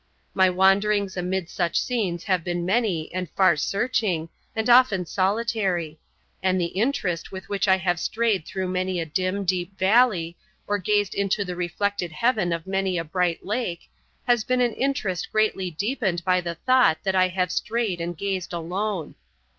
My wanderings amid such scenes have been many, and far searching, and often solitary; and the interest with which I have strayed through many a dim, deep valley, or gazed into the reflected Heaven of many a bright lake, has been an interest greatly deepened by the thought that I have strayed and gazed alone.